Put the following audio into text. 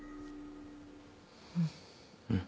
うん。